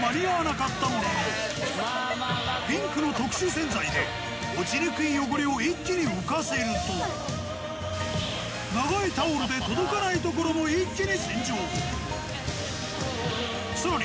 ピンクの特殊洗剤で落ちにくい汚れを一気に浮かせると長いタオルで届かないところも一気に洗浄さらに